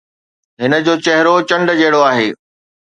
هن جو چهرو چنڊ جهڙو آهي